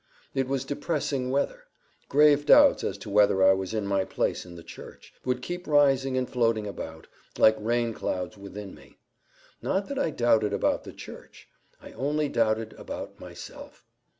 It was depressing weather. Grave doubts as to whether I was in my place in the church, would keep rising and floating about, like rain clouds within me. Not that I doubted about the church; I only doubted about myself.